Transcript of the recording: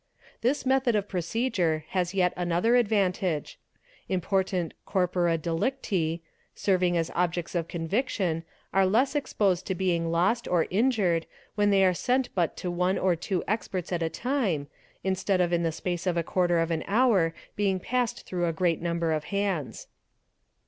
This method of procedure has yet another advantage; important corpora delicti, Serving as objects of conviction, are less exposed to being lost or injured 228 THE EXPERT when they are sent to but one or two experts at a time, instead of in the space of a quarter of an hour being passed through a great number of hands.